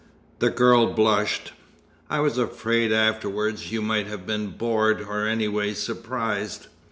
The girl blushed. "I was afraid afterwards, you might have been bored, or anyway surprised.